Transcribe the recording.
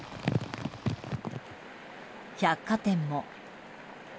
百貨店も。